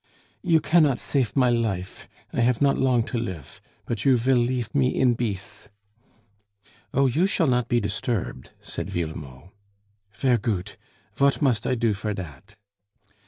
"You cannot safe my life, I haf not long to lif; but you vill leaf me in beace!" "Oh! you shall not be disturbed," said Villemot. "Ver' goot. Vat must I do for dat?"